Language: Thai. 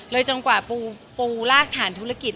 เลยจนกว่าปูลากฐานธุรกิจ